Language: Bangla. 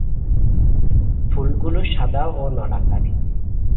ফুলগুলো সাদা ও নলাকার।